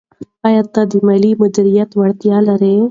آیا ته د مالي مدیریت وړتیا لرې؟